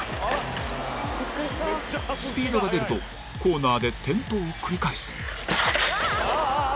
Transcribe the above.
スピードが出るとコーナーで転倒を繰り返す。